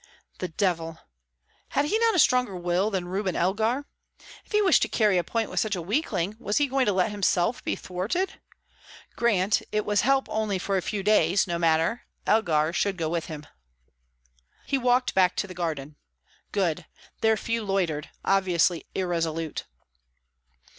The devil! Had he not a stronger will than Reuben Elgar? If he wished to carry a point with such a weakling, was he going to let himself be thwarted? Grant it was help only for a few days, no matter; Elgar should go with him. He walked back to the garden. Good; there the fellow loitered, obviously irresolute.